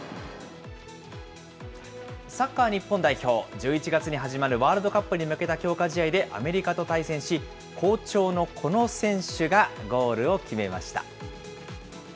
サッカー日本代表、１１月に始まるワールドカップに向けた強化試合でアメリカと対戦し、好調のこの選手がゴールを決めました。